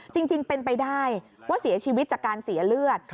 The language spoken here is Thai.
จริงเป็นไปได้ว่าเสียชีวิตจากการเสียเลือด